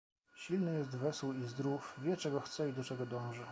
"Silny jest, wesół i zdrów, wie, czego chce i do czego dąży."